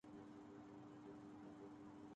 Cement کیلئے صرف limestone ہی نہیں چاہیے۔